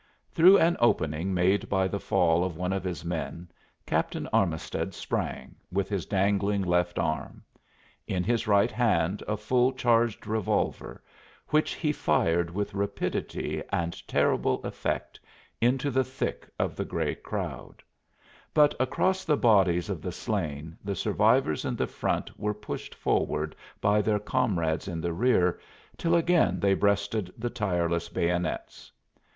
Through an opening made by the fall of one of his men Captain Armisted sprang, with his dangling left arm; in his right hand a full charged revolver, which he fired with rapidity and terrible effect into the thick of the gray crowd: but across the bodies of the slain the survivors in the front were pushed forward by their comrades in the rear till again they breasted the tireless bayonets.